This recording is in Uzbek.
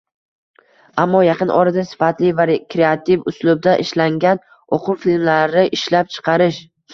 Ammo, yaqin orada sifatli va kreativ uslubda ishlangan o‘quv filmlari ishlab chiqarish